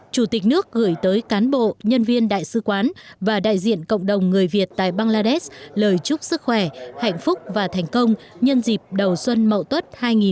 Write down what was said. chủ tịch nước gửi tới cán bộ nhân viên đại sứ quán và đại diện cộng đồng người việt tại bangladesh lời chúc sức khỏe hạnh phúc và thành công nhân dịp đầu xuân mậu tuất hai nghìn hai mươi